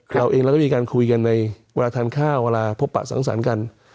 เราเองเราก็มีการคุยกันในเวลาทานข้าวเวลาพบปะสังสรรค์กัน